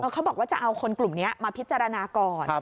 เขาบอกว่าจะเอาคนกลุ่มนี้มาพิจารณาก่อน